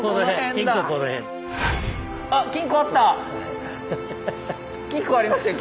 金庫ありましたよ